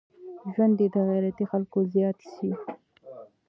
ژوند دي د غيرتي خلکو زيات سي.